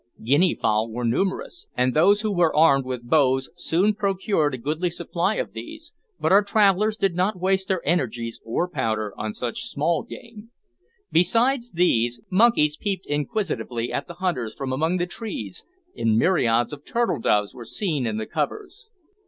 Guinea fowl were numerous, and those who were aimed with bows soon procured a goodly supply of these, but our travellers did not waste their energies or powder on such small game. Besides these, monkeys peeped inquisitively at the hunters from among the trees, and myriads of turtle doves were seen in the covers.